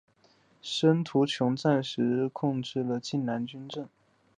申屠琮因而暂时控制了荆南军政。